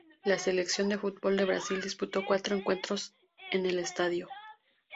La Selección de fútbol de Brasil disputó cuatro encuentros en el estadio.